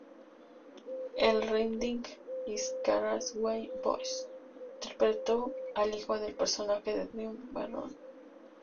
En "Riding in Cars with Boys" interpretó al hijo del personaje de Drew Barrymore.